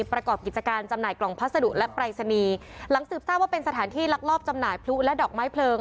ประกอบกิจการจำหน่ายกล่องพัสดุและปรายศนีย์หลังสืบทราบว่าเป็นสถานที่ลักลอบจำหน่ายพลุและดอกไม้เพลิง